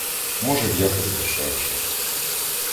Може б, якось дешевше.